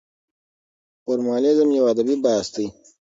فورمالېزم يو ادبي بحث دی.